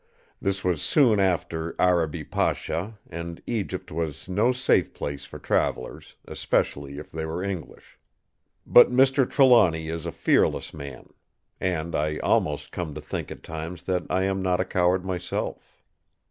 This was soon after Arabi Pasha, and Egypt was no safe place for travellers, especially if they were English. But Mr. Trelawny is a fearless man; and I almost come to think at times that I am not a coward myself.